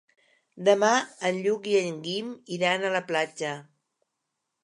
Demà en Lluc i en Guim iran a la platja.